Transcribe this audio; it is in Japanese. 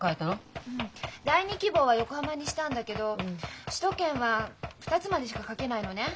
第２希望は横浜にしたんだけど首都圏は２つまでしか書けないのね。